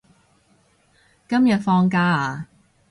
今日放假啊？